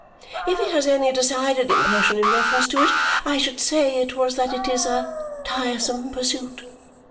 If he has any decided impression in reference to it, I should say it was that it is a tiresome pursuit.